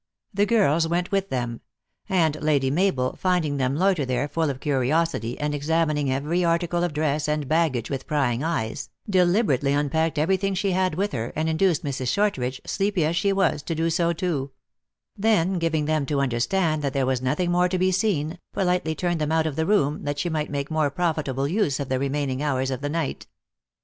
The girls went with them ; and Lady Ma bel, finding them loiter there, full of curiosity, and examining every article of dress and baggage with prying eyes, deliberately unpacked every thing she had with her, and induced Mrs. Shortridge, sleepy as she was, to do so too ; then, giving them to understand that there was nothing more to be seen, politely turn ed them out of the room, that she might make more profitable use of the remaining hours of the night.